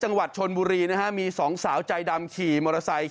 จังหวัดชนบุรีนะฮะมีสองสาวใจดำขี่มอเตอร์ไซค์